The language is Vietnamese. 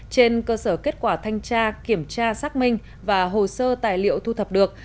trên cơ sở kết quả thanh tra kiểm tra xác minh và hồ sơ tài liệu thu thập được